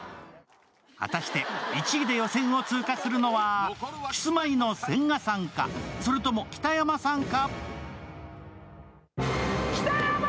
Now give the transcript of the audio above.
果たして、１位で予選を通過するのはキスマイの千賀さんかそれとも北山さんか？